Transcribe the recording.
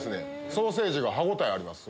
ソーセージが歯応えあります。